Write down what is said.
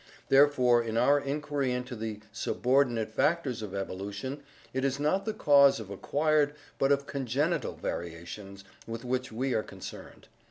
Therefore in our inquiry into the subordinate factors of evolution, it is not the cause of acquired, but of congenital varia tions with which we are concerned.